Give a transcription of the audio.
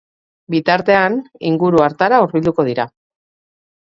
Bitartean, inguru hartara hurbilduko dira.